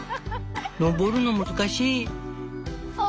登るの難しい」。